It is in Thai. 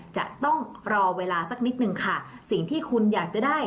จะต้องรอเวลาสักนิดนึงค่ะสิ่งที่คุณอยากจะได้